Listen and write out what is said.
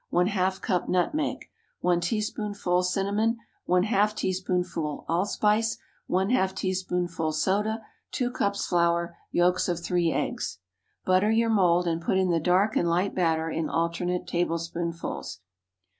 ½ cup nutmeg. 1 teaspoonful cinnamon. ½ teaspoonful allspice. ½ teaspoonful soda. 2 cups flour. Yolks of three eggs. Butter your mould, and put in the dark and light batter in alternate tablespoonfuls.